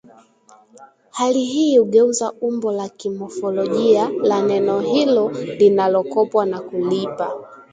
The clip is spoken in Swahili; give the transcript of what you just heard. Hali hii hugeuza umbo la kimofolojia la neno hilo linalokopwa na kulipa